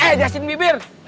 eh jasin bibir